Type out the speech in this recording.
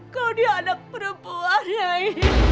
kau dia anak perempuan ya